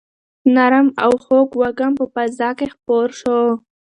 نرم او خوږ وږم په فضا کې خپور شو.